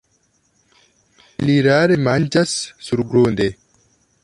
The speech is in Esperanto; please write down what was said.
Ili rare manĝas surgrunde.